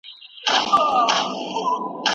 دروېش درانی.